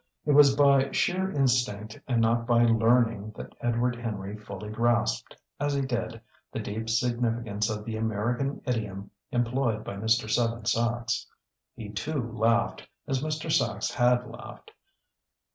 It was by sheer instinct, and not by learning, that Edward Henry fully grasped, as he did, the deep significance of the American idiom employed by Mr. Seven Sachs. He, too, laughed, as Mr. Sachs had laughed.